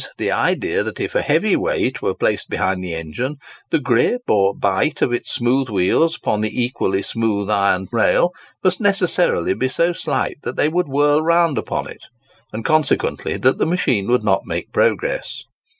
the idea that, if a heavy weight were placed behind the engine, the "grip" or "bite" of its smooth wheels upon the equally smooth iron rail, must necessarily be so slight that they would whirl round upon it, and, consequently, that the machine would not make progress.